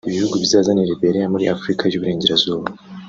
Ibihugu bizaza ni Liberia muri Afurika y’Uburengerazuba